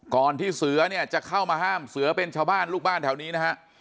ที่เสือเนี่ยจะเข้ามาห้ามเสือเป็นชาวบ้านลูกบ้านแถวนี้นะฮะ